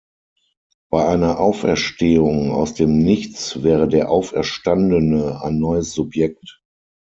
Bei einer Auferstehung aus dem Nichts wäre der Auferstandene ein neues Subjekt.